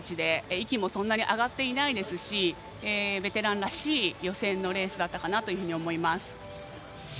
息もそんなに上がっていないですしベテランらしい予選のレースだったと思います。